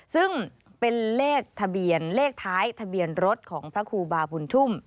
ซึ่งเป็นเลขทะเบียนเลขท้ายทะเบียนรถของพระครูบาบุญชุ่ม